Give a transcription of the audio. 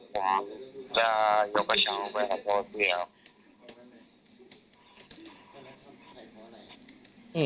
ผมจะยกประชาวไปครับเพราะว่าพี่ครับ